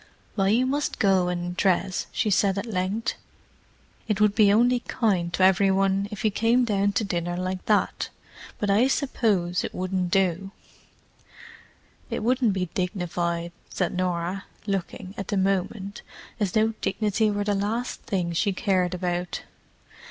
"Well, you must go and dress," she said at length. "It would be only kind to every one if you came down to dinner like that, but I suppose it wouldn't do." "It wouldn't be dignified," said Norah, looking, at the moment, as though dignity were the last thing she cared about.